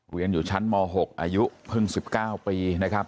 เรียนอยู่ชั้นม๖อายุเพิ่ง๑๙ปีนะครับ